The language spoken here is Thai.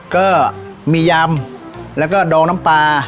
ก็มียำแล้วก็ดองน้ำปลา